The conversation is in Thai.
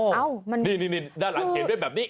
ด้านหลังเขียนเรื่องแบบนี้